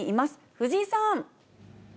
藤井さん。